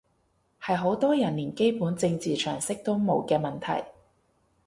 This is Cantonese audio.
係好多人連基本政治常識都冇嘅問題